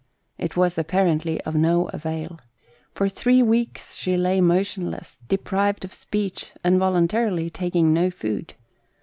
It was apparently of no avail. For three weeks she lay motionless, deprived of speech, and voluntarily, taking no food.